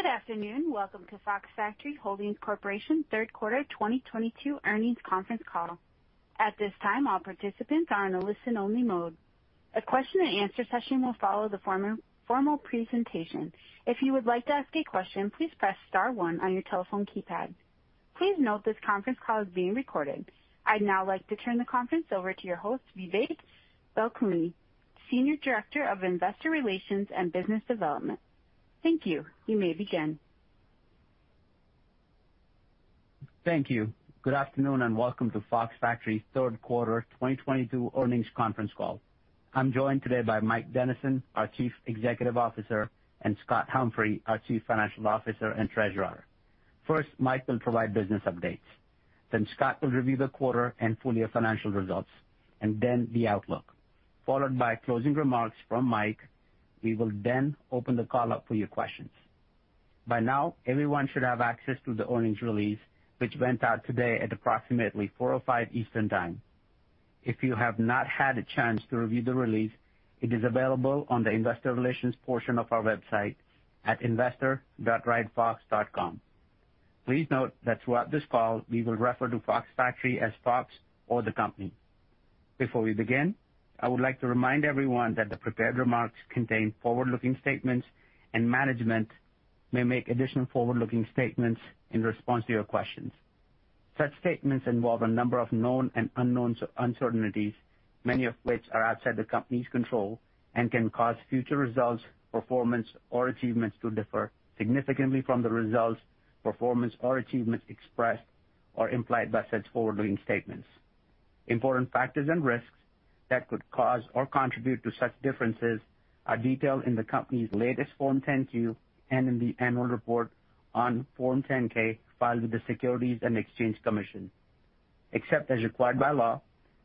Good afternoon. Welcome to Fox Factory Holding Corp Third Quarter 2022 Earnings Conference Call. At this time, all participants are in a listen-only mode. A question and answer session will follow the formal presentation. If you would like to ask a question, please press star one on your telephone keypad. Please note this conference call is being recorded. I'd now like to turn the conference over to your host, Vivek Bhakuni, Senior Director of Investor Relations and Business Development. Thank you. You may begin. Thank you. Good afternoon, and welcome to Fox Factory Third Quarter 2022 Earnings Conference Call. I'm joined today by Mike Dennison, our Chief Executive Officer, and Scott Humphrey, our Chief Financial Officer and Treasurer. First, Mike will provide business updates. Then Scott will review the quarter and full year financial results, and then the outlook, followed by closing remarks from Mike. We will then open the call up for your questions. By now, everyone should have access to the earnings release, which went out today at approximately 4:05 P.M. Eastern Time. If you have not had a chance to review the release, it is available on the investor relations portion of our website at investor.ridefox.com. Please note that throughout this call, we will refer to Fox Factory as Fox or the company. Before we begin, I would like to remind everyone that the prepared remarks contain forward-looking statements and management may make additional forward-looking statements in response to your questions. Such statements involve a number of known and unknown uncertainties, many of which are outside the company's control and can cause future results, performance or achievements to differ significantly from the results, performance or achievements expressed or implied by such forward-looking statements. Important factors and risks that could cause or contribute to such differences are detailed in the company's latest Form 10-Q and in the annual report on Form 10-K filed with the Securities and Exchange Commission. Except as required by law,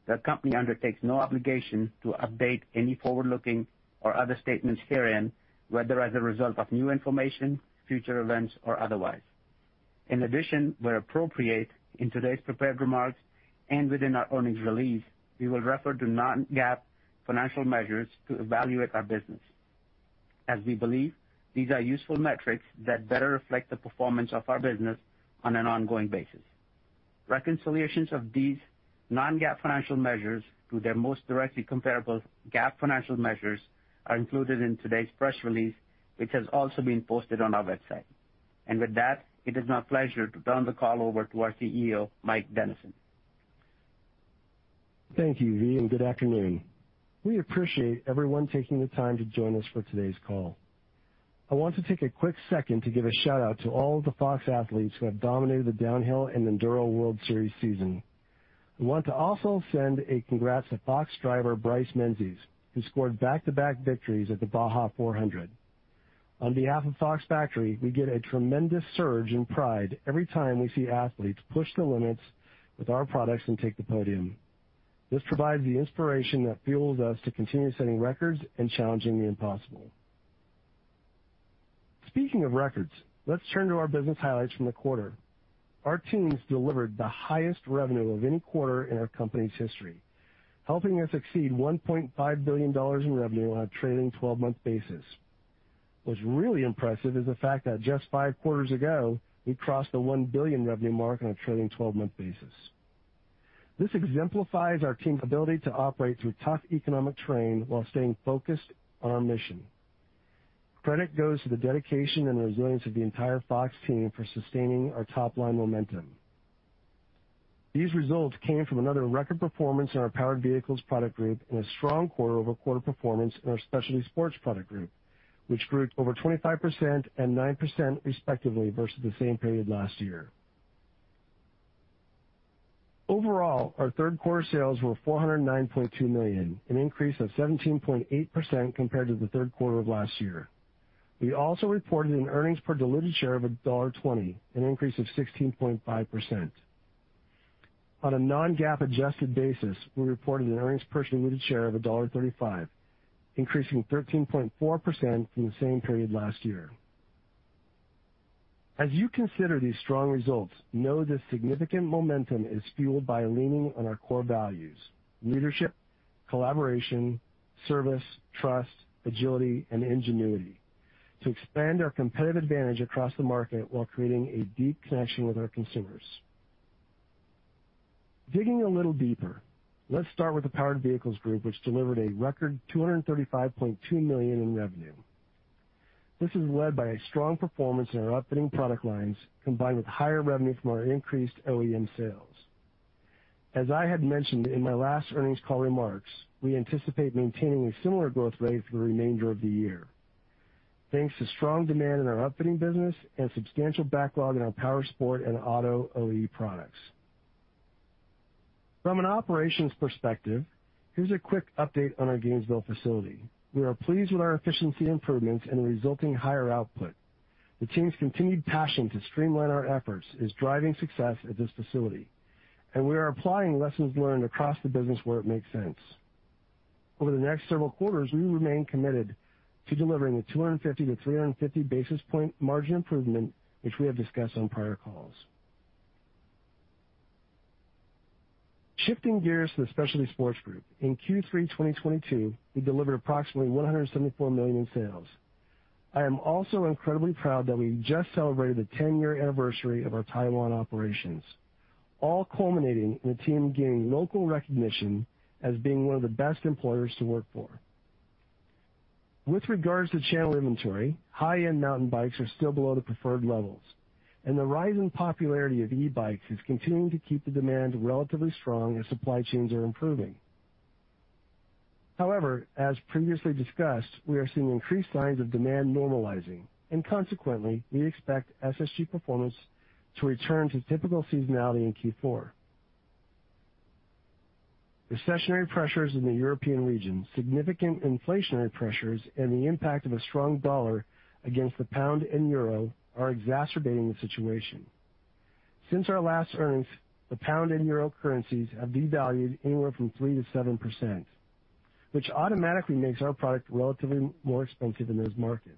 the company undertakes no obligation to update any forward-looking or other statements herein, whether as a result of new information, future events or otherwise. In addition, where appropriate in today's prepared remarks and within our earnings release, we will refer to non-GAAP financial measures to evaluate our business as we believe these are useful metrics that better reflect the performance of our business on an ongoing basis. Reconciliations of these non-GAAP financial measures to their most directly comparable GAAP financial measures are included in today's press release, which has also been posted on our website. With that, it is my pleasure to turn the call over to our CEO, Mike Dennison. Thank you, Vivek, and good afternoon. We appreciate everyone taking the time to join us for today's call. I want to take a quick second to give a shout-out to all the Fox athletes who have dominated the Downhill and Enduro World Series season. I want to also send a congrats to Fox driver Bryce Menzies, who scored back-to-back victories at the Baja 400. On behalf of Fox Factory, we get a tremendous surge in pride every time we see athletes push the limits with our products and take the podium. This provides the inspiration that fuels us to continue setting records and challenging the impossible. Speaking of records, let's turn to our business highlights from the quarter. Our teams delivered the highest revenue of any quarter in our company's history, helping us exceed $1.5 billion in revenue on a trailing 12-month basis. What's really impressive is the fact that just five quarters ago, we crossed the $1 billion revenue mark on a trailing 12-month basis. This exemplifies our team's ability to operate through tough economic terrain while staying focused on our mission. Credit goes to the dedication and resilience of the entire Fox team for sustaining our top-line momentum. These results came from another record performance in our Powered Vehicles Group and a strong quarter-over-quarter performance in our Specialty Sports Group, which grew over 25% and 9% respectively versus the same period last year. Overall, our third quarter sales were $409.2 million, an increase of 17.8% compared to the third quarter of last year. We also reported an earnings per diluted share of $1.20, an increase of 16.5%. On a non-GAAP adjusted basis, we reported an earnings per share diluted share of $1.35, increasing 13.4% from the same period last year. As you consider these strong results, know this significant momentum is fueled by leaning on our core values, leadership, collaboration, service, trust, agility and ingenuity to expand our competitive advantage across the market while creating a deep connection with our consumers. Digging a little deeper, let's start with the Powered Vehicles Group, which delivered a record $235.2 million in revenue. This is led by a strong performance in our upfitting product lines, combined with higher revenue from our increased OEM sales. As I had mentioned in my last earnings call remarks, we anticipate maintaining a similar growth rate for the remainder of the year, thanks to strong demand in our upfitting business and substantial backlog in our powersports and auto OE products. From an operations perspective, here's a quick update on our Gainesville facility. We are pleased with our efficiency improvements and the resulting higher output. The team's continued passion to streamline our efforts is driving success at this facility, and we are applying lessons learned across the business where it makes sense. Over the next several quarters, we remain committed to delivering a 250-350 basis points margin improvement, which we have discussed on prior calls. Shifting gears to the Specialty Sports Group. In Q3 2022, we delivered approximately $174 million in sales. I am also incredibly proud that we just celebrated the 10-year anniversary of our Taiwan operations, all culminating in the team gaining local recognition as being one of the best employers to work for. With regards to channel inventory, high-end mountain bikes are still below the preferred levels, and the rise in popularity of e-bikes is continuing to keep the demand relatively strong as supply chains are improving. However, as previously discussed, we are seeing increased signs of demand normalizing and consequently, we expect SSG performance to return to typical seasonality in Q4. Recessionary pressures in the European region, significant inflationary pressures and the impact of a strong dollar against the pound and euro are exacerbating the situation. Since our last earnings, the pound and euro currencies have devalued anywhere from 3%-7%, which automatically makes our product relatively more expensive in those markets.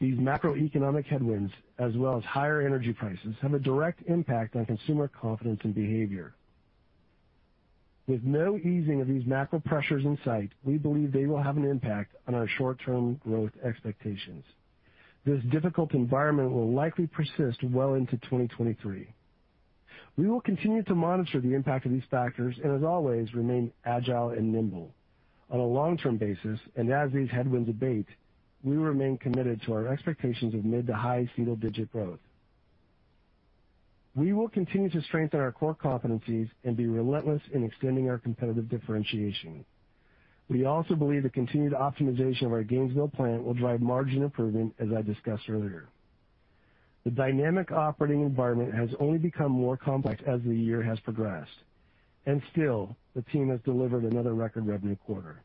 These macroeconomic headwinds, as well as higher energy prices, have a direct impact on consumer confidence and behavior. With no easing of these macro pressures in sight, we believe they will have an impact on our short-term growth expectations. This difficult environment will likely persist well into 2023. We will continue to monitor the impact of these factors and as always, remain agile and nimble. On a long-term basis, and as these headwinds abate, we remain committed to our expectations of mid-to-high single-digit growth. We will continue to strengthen our core competencies and be relentless in extending our competitive differentiation. We also believe the continued optimization of our Gainesville plant will drive margin improvement, as I discussed earlier. The dynamic operating environment has only become more complex as the year has progressed, and still the team has delivered another record revenue quarter.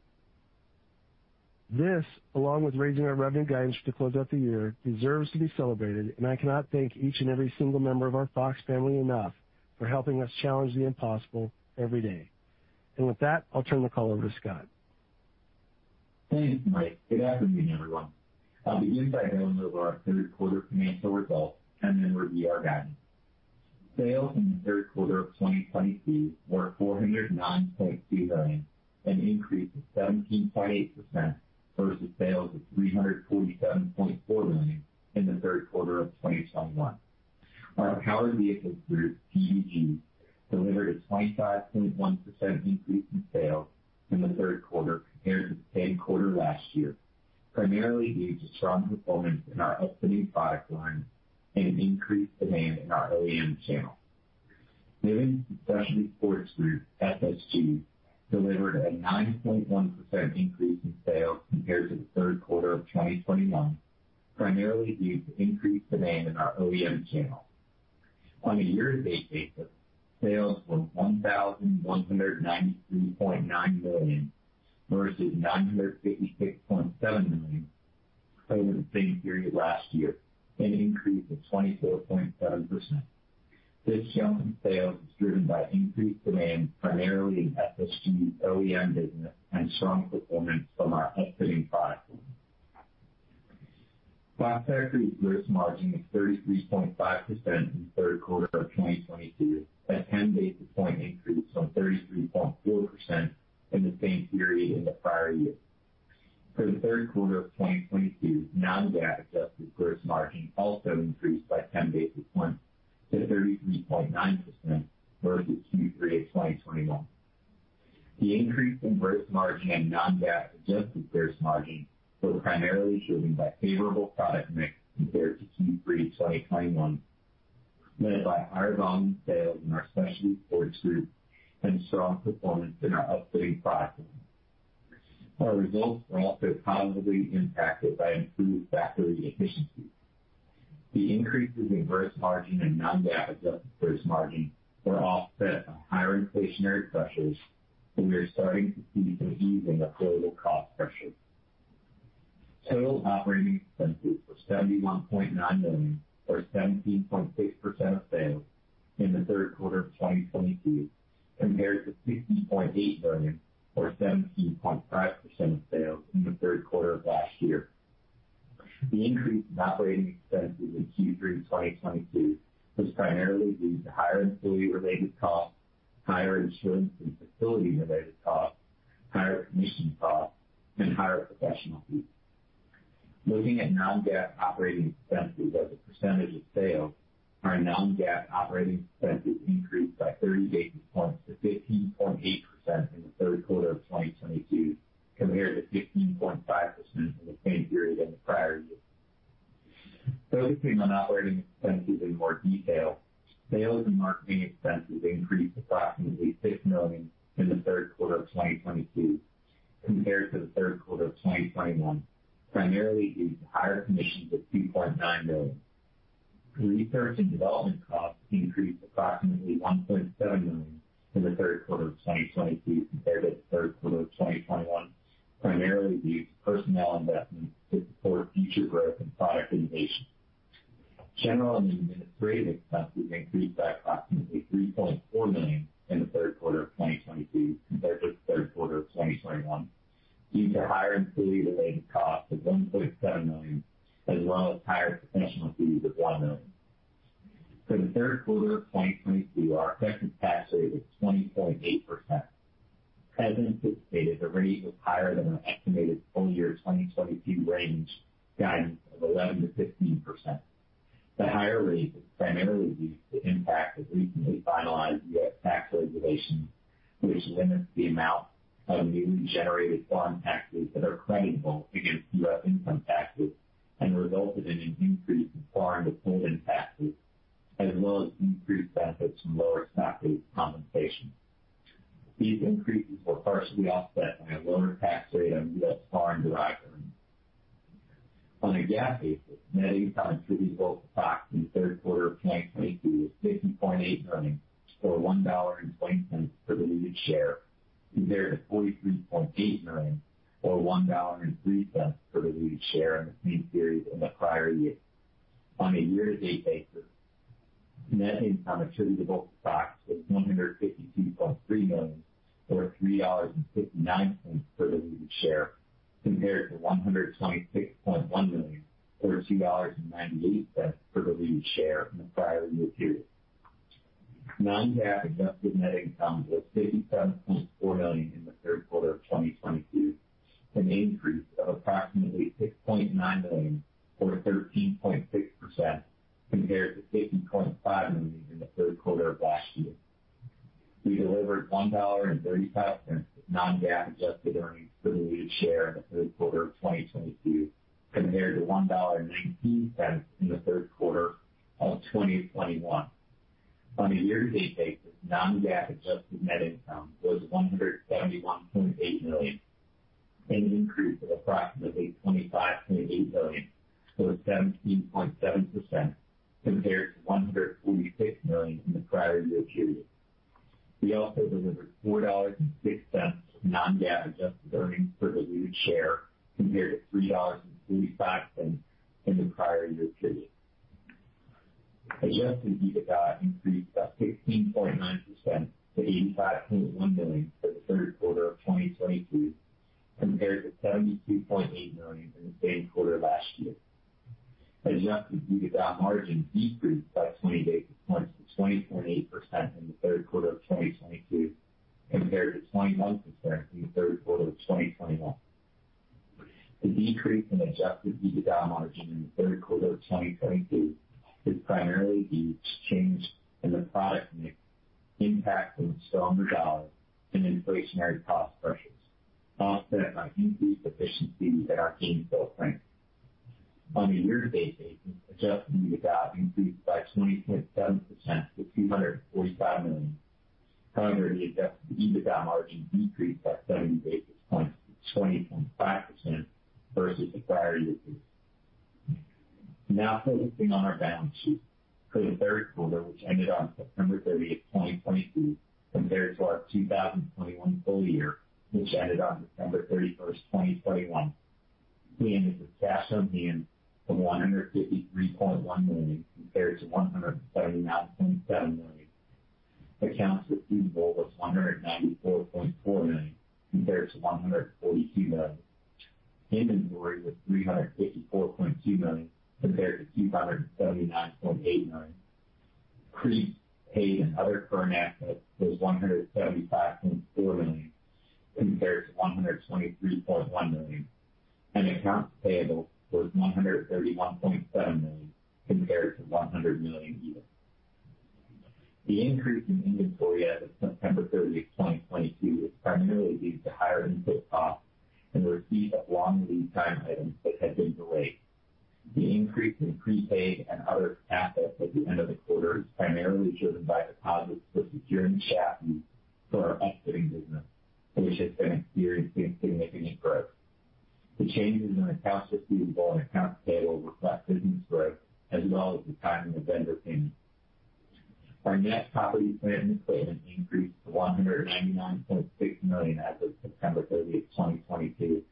This, along with raising our revenue guidance to close out the year, deserves to be celebrated. I cannot thank each and every single member of our Fox family enough for helping us challenge the impossible every day. With that, I'll turn the call over to Scott. Thanks, Mike. Good afternoon, everyone. I'll begin by going over our third quarter financial results and then review our guidance. Sales in the third quarter of 2022 were $409.2 million, an increase of 17.8% versus sales of $347.4 million in the third quarter of 2021. Our Powered Vehicles Group, PVG, delivered a 25.1% increase in sales in the third quarter compared to the same quarter last year, primarily due to strong performance in our upcoming product line and increased demand in our OEM channel. Moving to Specialty Sports Group, SSG delivered a 9.1% increase in sales compared to the third quarter of 2021, primarily due to increased demand in our OEM channel. On a year-to-date basis, sales were $1,193.9 million versus $956.7 million for the same period last year, an increase of 24.7%. This jump in sales is driven by increased demand, primarily in SSG's OEM business and strong performance from our upfitting product line. Fox Factory's gross margin of 33.5% in the third quarter of 2022, a 10 basis point increase from 33.4% in the same period in the prior year. For the third quarter of 2022, non-GAAP adjusted gross margin also increased by 10 basis points to 33.9% versus Q3 of 2021. The increase in gross margin and non-GAAP adjusted gross margin were primarily driven by favorable product mix compared to Q3 2021, led by higher volume sales in our Specialty Sports Group and strong performance in our upfitting platform. Our results were also positively impacted by improved factory efficiency. The increases in gross margin and non-GAAP adjusted gross margin were offset by higher inflationary pressures, and we are starting to see some ease in overall cost pressures. Total operating expenses were $71.9 million or 17.6% of sales in the third quarter of 2022, compared to $60.8 million or 17.5% of sales in the third quarter of last year. The increase in operating expenses in Q3 2022 was primarily due to higher employee-related costs, higher insurance and facility-related costs, higher commission costs, and higher professional fees. Looking at non-GAAP operating expenses as a percentage of sales, our non-GAAP operating expenses increased by 30 basis points to 15.8% in the third quarter of 2022, compared to 15.5% in the same period in the prior year. Focusing on operating expenses in more detail. Sales and marketing expenses increased approximately $6 million in the third quarter of 2022 compared to the third quarter of 2021, primarily due to higher commissions of $2.9 million. Research and development costs increased approximately $1.7 million in the third quarter of 2022 compared to the third quarter of 2021, primarily due to personnel investments to support future growth and product innovation. General and administrative expenses increased by approximately $3.4 million in the third quarter of 2022 compared to the third quarter of 2021. Due to higher employee-related costs of $1.7 million, as well as higher professional fees of $1 million. For the third quarter of 2022, our effective tax rate was 20.8%. As anticipated, the rate was higher than our estimated full year 2022 range guidance of 11%-15%. The higher rate was primarily due to the impact of recently finalized U.S. tax legislation, which limits the amount of newly generated foreign taxes that are creditable against U.S. income taxes and resulted in an increase in foreign withholding taxes, as well as increased benefits from lower stock-based compensation. These increases were partially offset by a lower tax rate on U.S. foreign derived earnings. On a GAAP basis, net income attributable to stock in the third quarter of 2022 was $60.8 million, or $1.20 per diluted share, compared to $43.8 million or $1.03 per diluted share in the same period in the prior year. On a year-to-date basis, net income attributable to stock was $152.3 million or $3.59 per diluted share, compared to $126.1 million or $2.98 per diluted share in the prior year period. Non-GAAP adjusted net income was $67.4 million However, the adjusted EBITDA margin decreased by 70 basis points to 20.5% versus the prior year period. Now focusing on our balance sheet. For the third quarter, which ended on September 30, 2022, compared to our 2021 full year, which ended on December 31st, 2021. We ended with cash on hand of $153.1 million compared to $179.7 million. Accounts receivable was $194.4 million compared to $142 million. Inventory was $354.2 million compared to $279.8 million. Prepaid and other current assets was $175.4 million compared to $123.1 million. Accounts payable was $131.7 million compared to $100 million. The increase in inventory as of September 30th, 2022, is primarily due to higher input costs and the receipt of long lead time items that had been delayed. The increase in prepaid and other assets at the end of the quarter is primarily driven by deposits for securing chassis for our upfitting business, which has been experiencing significant growth. The changes in accounts receivable and accounts payable reflect business growth as well as the timing of vendor payments. Our net property, plant and equipment increased to $199.6 million as of September 30th, 2022,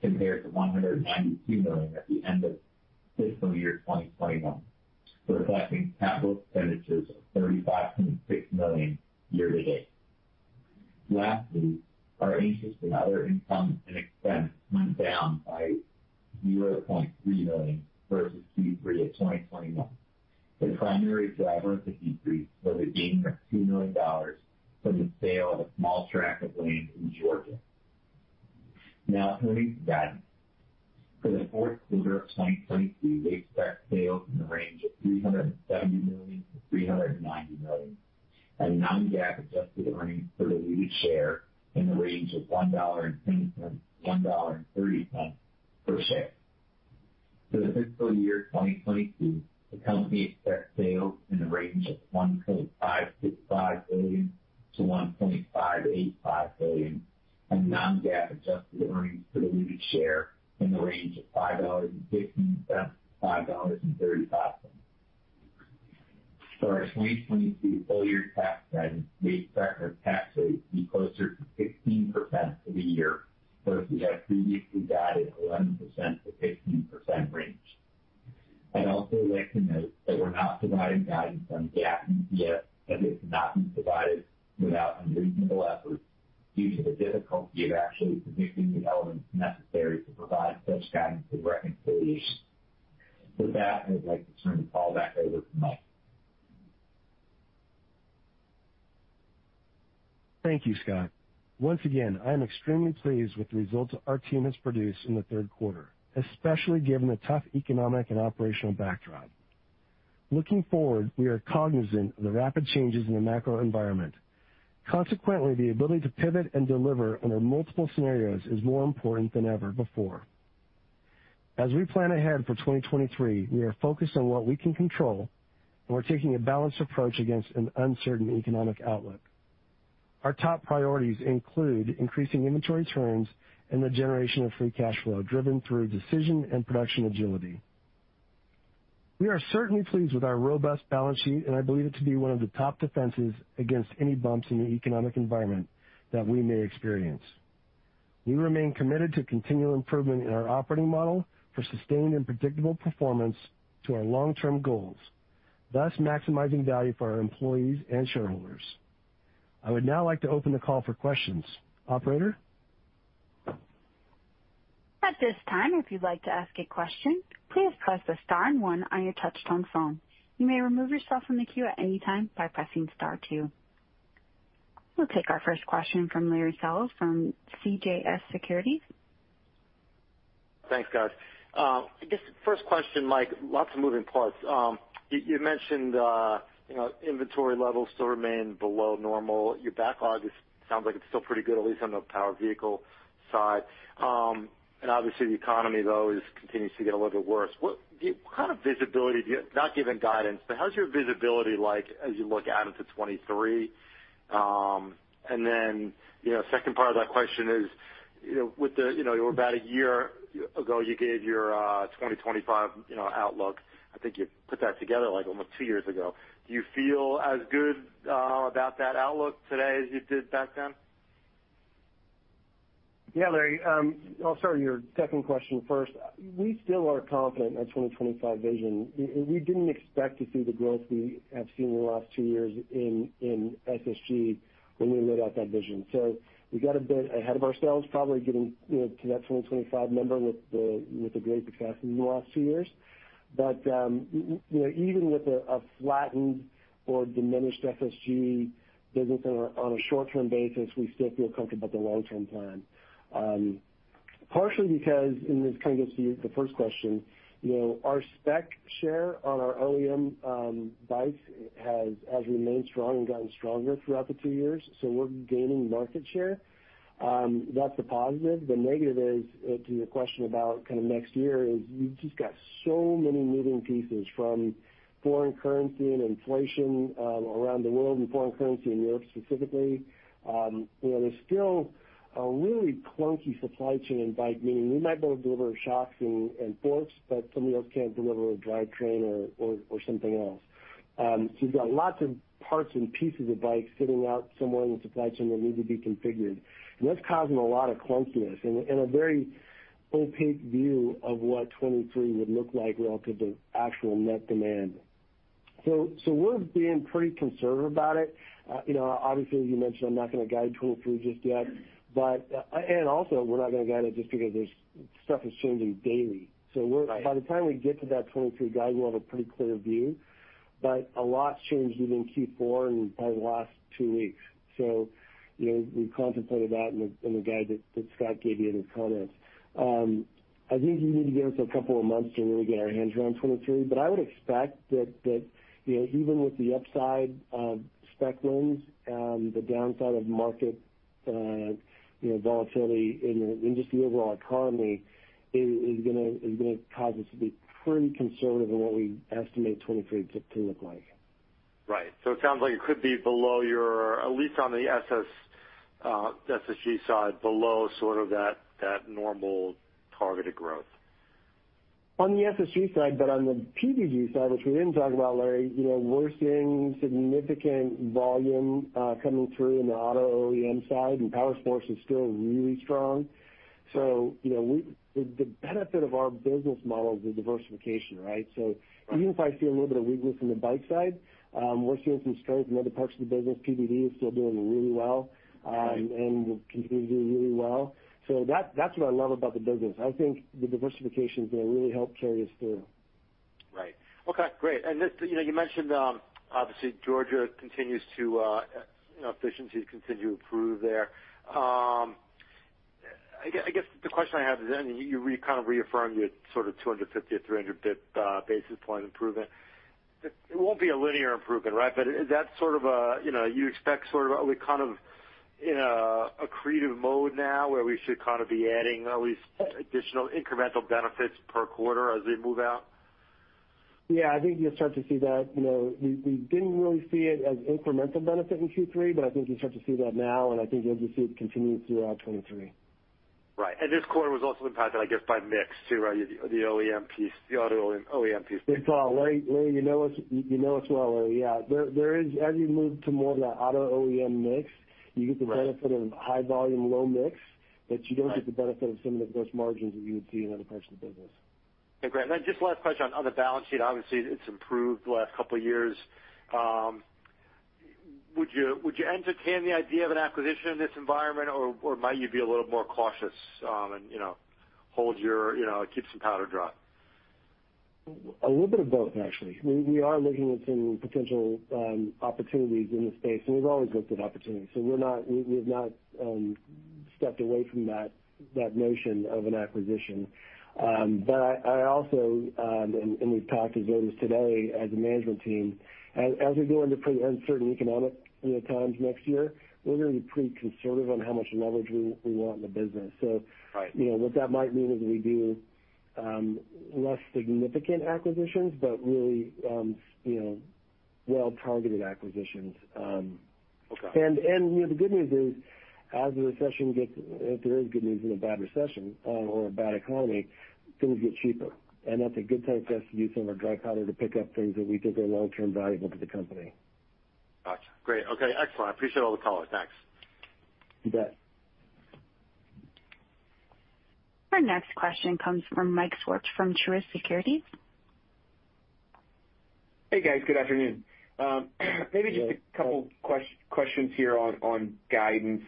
compared to $192 million at the end of fiscal year 2021, reflecting capital expenditures of $35.6 million year to date. Lastly, our interest and other income and expense went down by $0.3 million versus Q3 of 2021. The primary driver of the decrease was a gain of $2 million from the sale of a small tract of land in Georgia. Now turning to guidance. For the fourth quarter of 2022, we expect sales in the range of $370 million-$390 million, and non-GAAP adjusted earnings per diluted share in the range of $1.20-$1.30 per share. For the fiscal year 2022, the company expects sales in the range of $1.565 billion-$1.585 billion, and non-GAAP adjusted earnings per diluted share in the range of $5.16-$5.35. For our 2022 full year tax guidance, we expect our tax rate to be closer to 16% for the year versus our previously guided 11%-15% range. I'd also like to note that we're not providing guidance on GAAP EPS, as it cannot be provided without unreasonable effort due to the difficulty of actually predicting the elements necessary to provide such guidance with reconciliation. With that, I'd like to turn the call back over to Mike. Thank you, Scott. Once again, I am extremely pleased with the results our team has produced in the third quarter, especially given the tough economic and operational backdrop. Looking forward, we are cognizant of the rapid changes in the macro environment. Consequently, the ability to pivot and deliver under multiple scenarios is more important than ever before. As we plan ahead for 2023, we are focused on what we can control, and we're taking a balanced approach against an uncertain economic outlook. Our top priorities include increasing inventory turns and the generation of free cash flow driven through decision and production agility. We are certainly pleased with our robust balance sheet, and I believe it to be one of the top defenses against any bumps in the economic environment that we may experience. We remain committed to continual improvement in our operating model for sustained and predictable performance to our long-term goals, thus maximizing value for our employees and shareholders. I would now like to open the call for questions. Operator? At this time, if you'd like to ask a question, please press star one on your touchtone phone. You may remove yourself from the queue at any time by pressing star two. We'll take our first question from Larry Solow from CJS Securities. Thanks, guys. I guess the first question, Mike, lots of moving parts. You mentioned, you know, inventory levels still remain below normal. Your backlog sounds like it's still pretty good, at least on the Powered Vehicle side. Obviously the economy, though, continues to get a little bit worse. What kind of visibility do you have, not giving guidance, but how's your visibility like as you look out into 2023? You know, second part of that question is, you know, with the, you know, about a year ago, you gave your 2025, you know, outlook. I think you put that together, like, almost two years ago. Do you feel as good about that outlook today as you did back then? Yeah. Larry, I'll start with your second question first. We still are confident in our 2025 vision. We didn't expect to see the growth we have seen in the last two years in SSG when we laid out that vision. We got a bit ahead of ourselves, probably getting, you know, to that 2025 number with the great capacity in the last two years. You know, even with a flattened or diminished SSG business on a short-term basis, we still feel comfortable with the long-term plan. Partially because, and this kind of gets to the first question, you know, our spec share on our OEM bikes has remained strong and gotten stronger throughout the two years, so we're gaining market share. That's the positive. The negative is to your question about kind of next year, is we've just got so many moving pieces from foreign currency and inflation around the world and foreign currency in Europe specifically. You know, there's still a really clunky supply chain in bike, meaning we might be able to deliver shocks and forks, but somebody else can't deliver a drivetrain or something else. You've got lots of parts and pieces of bikes sitting out somewhere in the supply chain that need to be configured, and that's causing a lot of clunkiness and a very opaque view of what 2023 would look like relative to actual net demand. We're being pretty conservative about it. You know, obviously, as you mentioned, I'm not gonna guide you through just yet, but. Also, we're not gonna guide it just because there's, stuff is changing daily. We're- Right. By the time we get to that 2023 guide, we'll have a pretty clear view, but a lot's changed even in Q4 and by the last two weeks. You know, we contemplated that in the guide that Scott gave you in his comments. I think you need to give us a couple of months to really get our hands around 2023, but I would expect that, you know, even with the upside of spec wins, the downside of market, you know, volatility in the, in just the overall economy is gonna cause us to be pretty conservative in what we estimate 2023 to look like. Right. It sounds like it could be below your, at least on the SSG side, below sort of that normal targeted growth. On the SSG side, but on the PVG side, which we didn't talk about, Larry, you know, we're seeing significant volume coming through in the auto OEM side, and powersports is still really strong. You know, the benefit of our business model is the diversification, right? Right. Even if I see a little bit of weakness in the bike side, we're seeing some strength in other parts of the business. PVG is still doing really well. Right. Will continue to do really well. That, that's what I love about the business. I think the diversification is gonna really help carry us through. Right. Okay, great. Just, you know, you mentioned, obviously Georgia continues to, you know, efficiencies continue to improve there. I guess the question I have is then you kind of reaffirmed your sort of 250-300 BP basis point improvement. It won't be a linear improvement, right? Is that sort of a, you know, you expect sort of are we kind of in a accretive mode now where we should kind of be adding at least additional incremental benefits per quarter as we move out? Yeah. I think you'll start to see that. You know, we didn't really see it as incremental benefit in Q3, but I think you'll start to see that now, and I think you'll just see it continue throughout 2023. Right. This quarter was also impacted, I guess, by mix too, right? The OEM piece, the auto OEM piece. In part, Larry, you know us well, Larry. Yeah. There is, as you move to more of that auto OEM mix. Right. You get the benefit of high volume, low mix. You don't get the benefit of some of the gross margins that you would see in other parts of the business. Okay, great. Just last question on the balance sheet. Obviously, it's improved the last couple of years. Would you entertain the idea of an acquisition in this environment, or might you be a little more cautious, and you know, hold your, you know, keep some powder dry? A little bit of both, actually. We are looking at some potential opportunities in the space, and we've always looked at opportunities, so we've not stepped away from that notion of an acquisition. I also and we've talked as early as today as a management team, as we go into pretty uncertain economic, you know, times next year, we're gonna be pretty conservative on how much leverage we want in the business, so Right. You know, what that might mean is we do less significant acquisitions, but really, you know, well-targeted acquisitions. Okay. You know, the good news is, if there is good news in a bad recession or a bad economy, things get cheaper, and that's a good time for us to use some of our dry powder to pick up things that we think are long-term valuable to the company. Gotcha. Great. Okay. Excellent. I appreciate all the color. Thanks. You bet. Our next question comes from Michael Swartz from Truist Securities. Hey, guys. Good afternoon. Maybe just a couple questions here on guidance.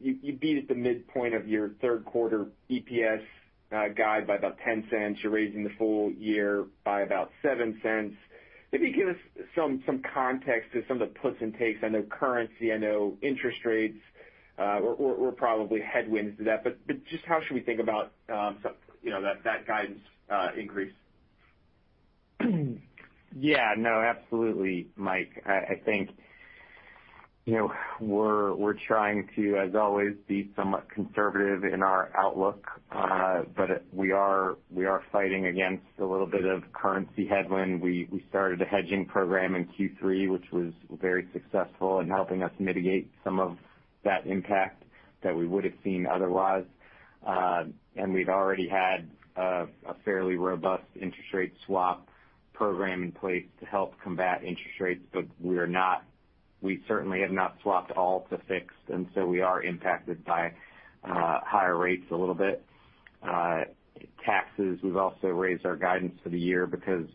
You beat at the midpoint of your third quarter EPS guide by about $0.10. You're raising the full year by about $0.07. Maybe give us some context to some of the puts and takes. I know currency, I know interest rates were probably headwinds to that. Just how should we think about some, you know, that guidance increase? Yeah. No, absolutely, Mike. I think, you know, we're trying to, as always, be somewhat conservative in our outlook. We are fighting against a little bit of currency headwind. We started a hedging program in Q3, which was very successful in helping us mitigate some of that impact that we would've seen otherwise. We've already had a fairly robust interest rate swap program in place to help combat interest rates, but we certainly have not swapped all to fixed, and so we are impacted by higher rates a little bit. Taxes, we've also raised our guidance for the year because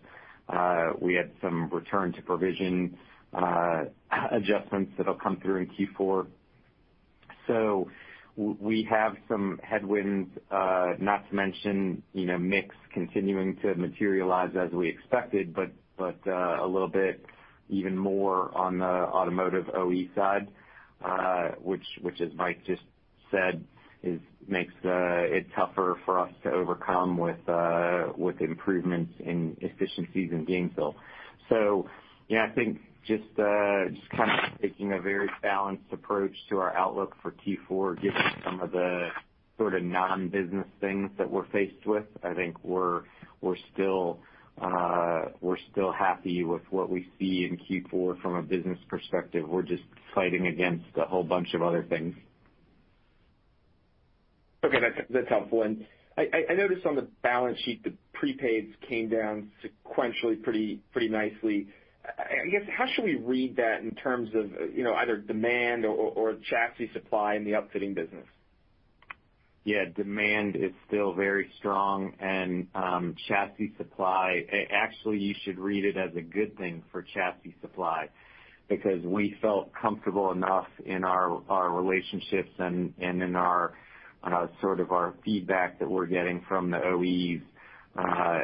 we had some return to provision adjustments that'll come through in Q4. We have some headwinds, not to mention, you know, mix continuing to materialize as we expected, but a little bit even more on the automotive OE side, which, as Mike just said, it makes it tougher for us to overcome with improvements in efficiencies in Gainesville. Yeah, I think just kind of taking a very balanced approach to our outlook for Q4, given some of the sort of non-business things that we're faced with. I think we're still happy with what we see in Q4 from a business perspective. We're just fighting against a whole bunch of other things. Okay. That's helpful. I noticed on the balance sheet, the prepaids came down sequentially pretty nicely. I guess, how should we read that in terms of, you know, either demand or chassis supply in the upfitting business? Yeah. Demand is still very strong, and chassis supply. Actually, you should read it as a good thing for chassis supply because we felt comfortable enough in our relationships and in our sort of our feedback that we're getting from the OEMs. You know,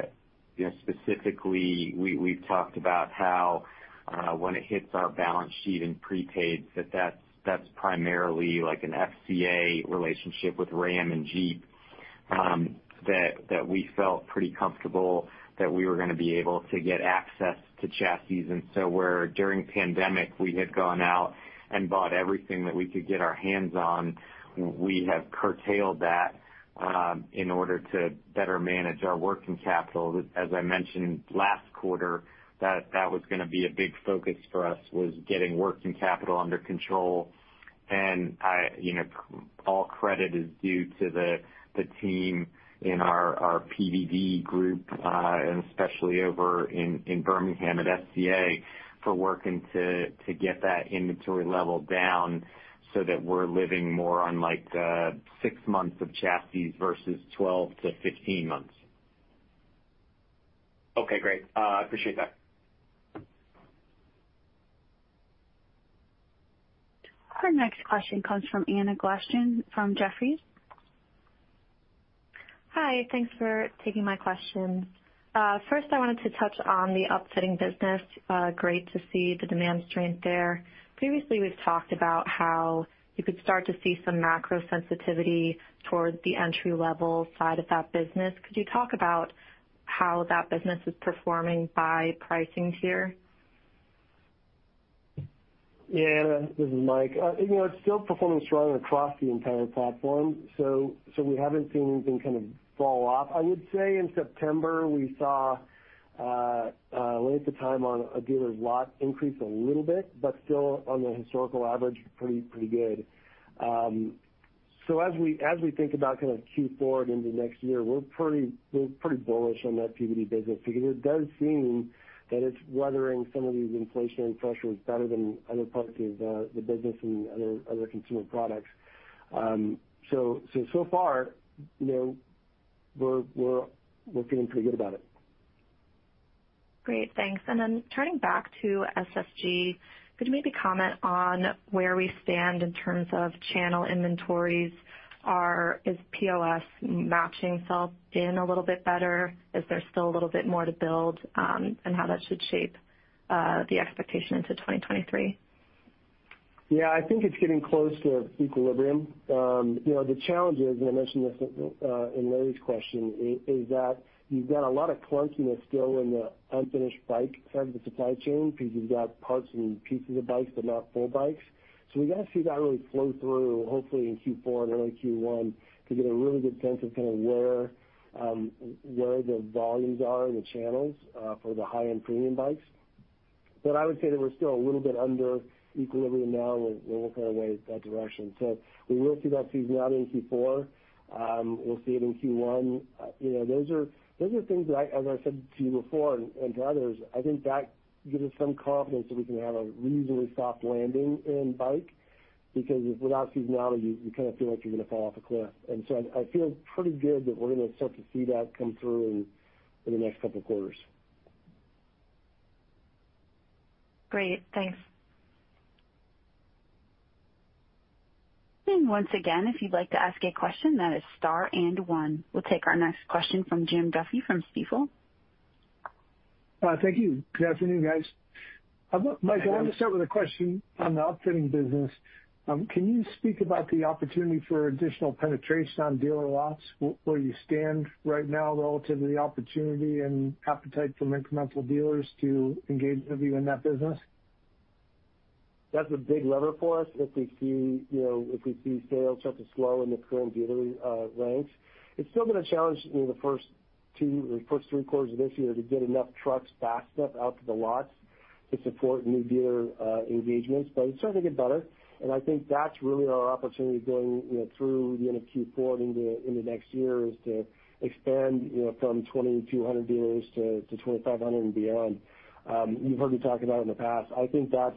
specifically, we've talked about how when it hits our balance sheet in prepaid, that's primarily like an FCA relationship with Ram and Jeep, that we felt pretty comfortable that we were gonna be able to get access to chassis. Where during pandemic, we had gone out and bought everything that we could get our hands on, we have curtailed that in order to better manage our working capital. As I mentioned last quarter, that was gonna be a big focus for us, was getting working capital under control. I, you know, all credit is due to the team in our PVG group, and especially over in Birmingham at FCA for working to get that inventory level down so that we're living more on, like, 6 months of chassis versus 12-15 months. Okay, great. Appreciate that. Our next question comes from Anna Glaessgen from Jefferies. Hi. Thanks for taking my question. First, I wanted to touch on the upfitting business. Great to see the demand strength there. Previously, we've talked about how you could start to see some macro sensitivity towards the entry-level side of that business. Could you talk about how that business is performing by pricing tier? Yeah, Anna, this is Mike. You know, it's still performing strong across the entire platform, so we haven't seen anything kind of fall off. I would say in September, we saw length of time on a dealer's lot increase a little bit, but still on the historical average, pretty good. So as we think about kind of Q4 and into next year, we're pretty bullish on that PVG business because it does seem that it's weathering some of these inflationary pressures better than other parts of the business and other consumer products. So far, you know. We're feeling pretty good about it. Great. Thanks. Turning back to SSG, could you maybe comment on where we stand in terms of channel inventories? Is POS matching up a little bit better? Is there still a little bit more to build, and how that should shape the expectation into 2023? Yeah. I think it's getting close to equilibrium. You know, the challenge is, and I mentioned this, in Larry's question, is that you've got a lot of clunkiness still in the unfinished bike side of the supply chain because you've got parts and pieces of bikes, but not full bikes. We gotta see that really flow through, hopefully in Q4 and early Q1, to get a really good sense of kinda where the volumes are in the channels, for the high-end premium bikes. I would say that we're still a little bit under equilibrium now, and we're working our way that direction. We will see that seasonality in Q4. We'll see it in Q1. You know, those are things that I, as I said to you before and to others, I think that gives us some confidence that we can have a reasonably soft landing in bike because without seasonality, you kind of feel like you're gonna fall off a cliff. I feel pretty good that we're gonna start to see that come through in the next couple quarters. Great. Thanks. Once again, if you'd like to ask a question, that is star and one. We'll take our next question from Jim Duffy from Stifel. Thank you. Good afternoon, guys. Mike, I want to start with a question on the upfitting business. Can you speak about the opportunity for additional penetration on dealer lots, where you stand right now relative to the opportunity and appetite from incremental dealers to engage with you in that business? That's a big lever for us if we see, you know, if we see sales start to slow in the current dealer ranks. It's still been a challenge in the first two or first three quarters of this year to get enough trucks fast enough out to the lots to support new dealer engagements. It's starting to get better, and I think that's really our opportunity going, you know, through the end of Q4 and into next year, is to expand, you know, from 2,200 dealers to 2,500 and beyond. You've heard me talk about it in the past. I think that's,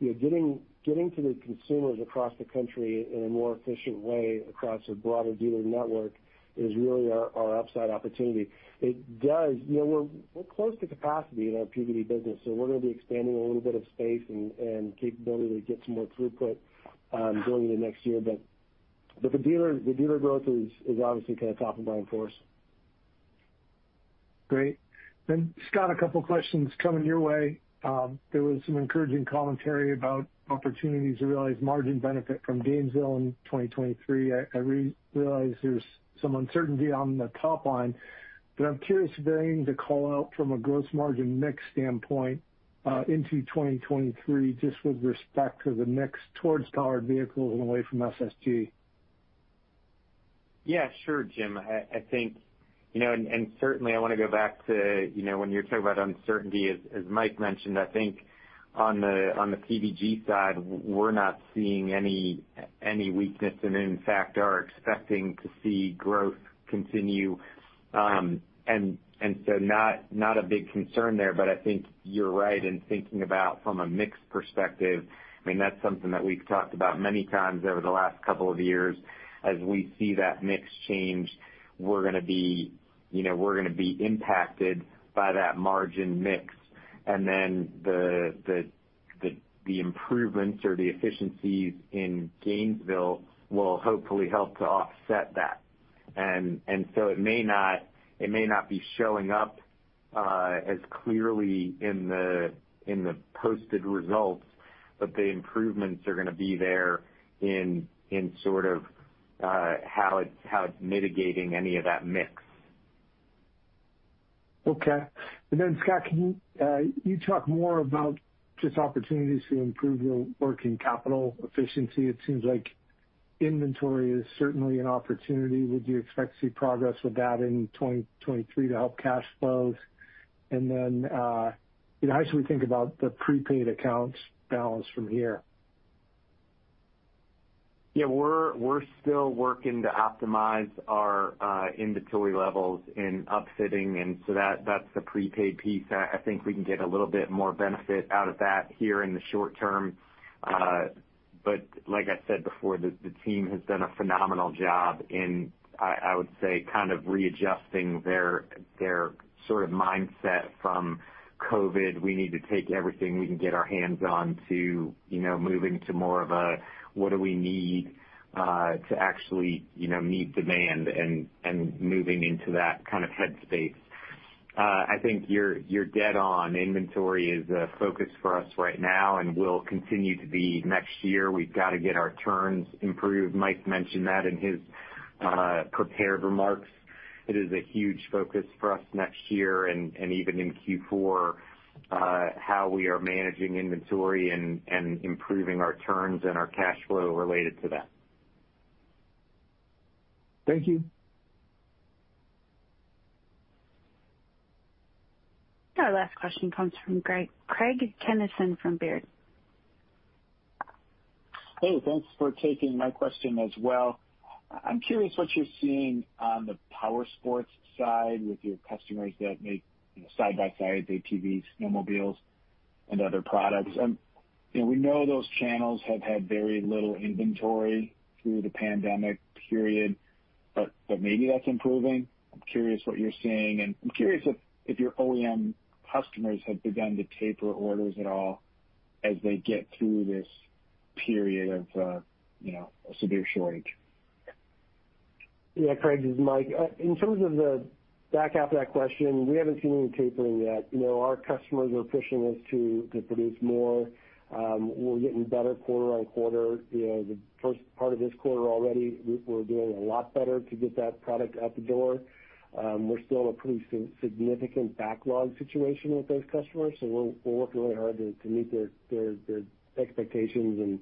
you know, getting to the consumers across the country in a more efficient way across a broader dealer network is really our upside opportunity. It does. You know, we're close to capacity in our PVG business, so we're gonna be expanding a little bit of space and capability to get some more throughput going into next year. The dealer growth is obviously kind of top of mind for us. Great. Scott, a couple questions coming your way. There was some encouraging commentary about opportunities to realize margin benefit from Gainesville in 2023. I realize there's some uncertainty on the top line, but I'm curious if there anything to call out from a gross margin mix standpoint, into 2023, just with respect to the mix towards Powered Vehicles and away from SSG. Yeah. Sure, Jim. I think, you know, and certainly I wanna go back to, you know, when you're talking about uncertainty, as Mike mentioned, I think on the PVG side, we're not seeing any weakness and in fact are expecting to see growth continue. Not a big concern there. I think you're right in thinking about from a mix perspective, I mean, that's something that we've talked about many times over the last couple of years. As we see that mix change, we're gonna be, you know, we're gonna be impacted by that margin mix. The improvements or the efficiencies in Gainesville will hopefully help to offset that. It may not be showing up as clearly in the posted results, but the improvements are gonna be there in sort of how it's mitigating any of that mix. Okay. Scott, can you talk more about just opportunities to improve your working capital efficiency? It seems like inventory is certainly an opportunity. Would you expect to see progress with that in 2023 to help cash flows? You know, how should we think about the prepaid accounts balance from here? Yeah. We're still working to optimize our inventory levels in upfitting, and so that's the prepaid piece. I think we can get a little bit more benefit out of that here in the short term. Like I said before, the team has done a phenomenal job in, I would say, kind of readjusting their sort of mindset from COVID. We need to take everything we can get our hands on to, you know, moving to more of a what do we need to actually, you know, meet demand and moving into that kind of head space. I think you're dead on. Inventory is a focus for us right now and will continue to be next year. We've gotta get our turns improved. Mike mentioned that in his prepared remarks. It is a huge focus for us next year and even in Q4, how we are managing inventory and improving our turns and our cash flow related to that. Thank you. Our last question comes from Craig Kennison from Baird. Hey, thanks for taking my question as well. I'm curious what you're seeing on the powersports side with your customers that make, you know, side-by-sides, ATVs, snowmobiles and other products. You know, we know those channels have had very little inventory through the pandemic period, but maybe that's improving. I'm curious what you're seeing, and I'm curious if your OEM customers have begun to taper orders at all as they get through this period of, you know, a severe shortage. Yeah, Craig, this is Mike. In terms of the back half of that question, we haven't seen any tapering yet. You know, our customers are pushing us to produce more. We're getting better quarter on quarter. You know, the first part of this quarter already, we're doing a lot better to get that product out the door. We're still in a pretty significant backlog situation with those customers, so we're working really hard to meet their expectations and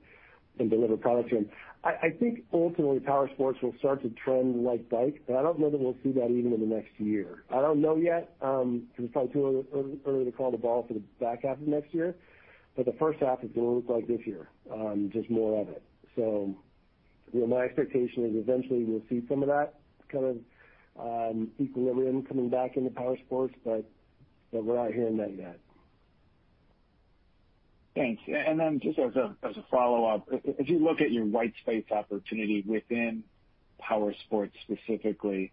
deliver products to them. I think ultimately powersports will start to trend like bike, but I don't know that we'll see that even in the next year. I don't know yet, 'cause it's probably too early to call the ball for the back half of next year, but the first half is gonna look like this year, just more of it. You know, my expectation is eventually we'll see some of that kind of equilibrium coming back into powersports, but we're not hearing that yet. Thanks. Just as a follow-up, if you look at your white space opportunity within powersports specifically,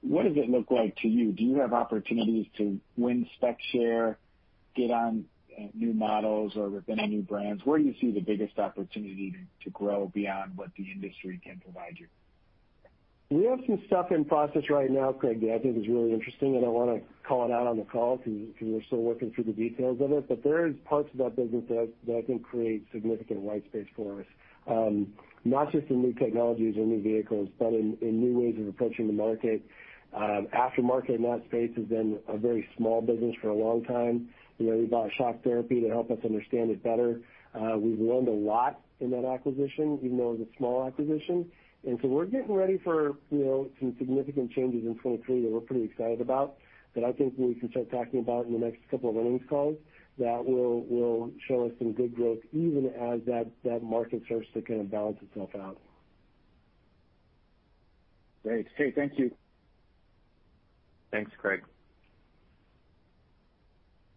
what does it look like to you? Do you have opportunities to win spec share, get on new models or within any brands? Where do you see the biggest opportunity to grow beyond what the industry can provide you? We have some stuff in process right now, Craig, that I think is really interesting, and I don't wanna call it out on the call because we're still working through the details of it. There is parts of that business that I think create significant white space for us, not just in new technologies or new vehicles, but in new ways of approaching the market. Aftermarket in that space has been a very small business for a long time. You know, we bought Shock Therapy to help us understand it better. We've learned a lot in that acquisition, even though it was a small acquisition. We're getting ready for, you know, some significant changes in 2023 that we're pretty excited about, that I think we can start talking about in the next couple of earnings calls, that will show us some good growth even as that market starts to kind of balance itself out. Great. Okay, thank you. Thanks, Craig.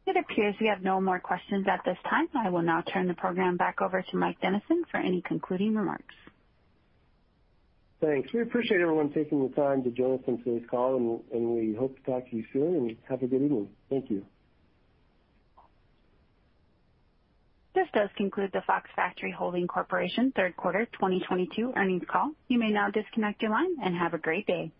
It appears we have no more questions at this time. I will now turn the program back over to Mike Dennison for any concluding remarks. Thanks. We appreciate everyone taking the time to join us on today's call, and we hope to talk to you soon, and have a good evening. Thank you. This does conclude the Fox Factory Holding Corp Third Quarter 2022 Earnings Call. You may now disconnect your line and have a great day.